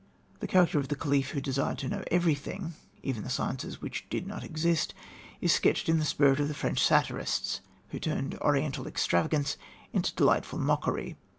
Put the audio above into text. The character of the caliph, who desired to know everything, even the sciences which did not exist, is sketched in the spirit of the French satirists, who turned Oriental extravagance into delightful mockery.